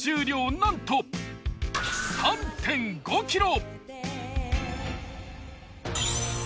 なんと３．５ｋｇ。